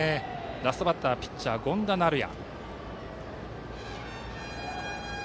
ラストバッターピッチャーの権田成也。